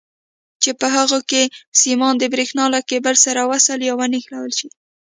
چې په هغو کې سیمان د برېښنا له کیبل سره وصل یا ونښلول شي.